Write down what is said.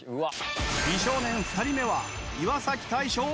美少年２人目は岩大昇